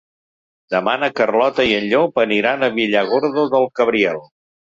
Demà na Carlota i en Llop aniran a Villargordo del Cabriel.